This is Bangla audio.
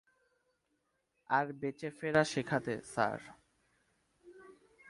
আর বেঁচে ফেরা শেখাতে, স্যার।